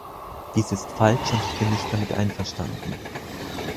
Dies ist falsch und ich bin nicht damit einverstanden.